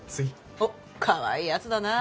おっかわいいやつだな。